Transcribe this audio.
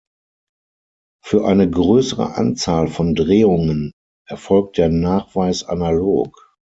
Für eine größere Anzahl von Drehungen erfolgt der Nachweis analog.